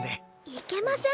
いけません！